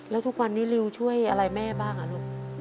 แล้วทุกวันนี้ริวช่วยอะไรแม่บ้างอ่ะลูก